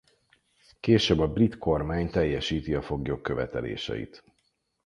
Később a Brit kormány teljesíti a foglyok követeléseit.